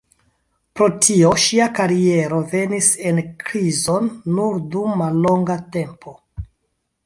Pro tio ŝia kariero venis en krizon nur dum mallonga tempo.